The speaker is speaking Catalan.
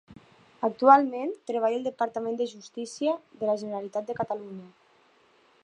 Actualment treballa al Departament de Justícia de la Generalitat de Catalunya.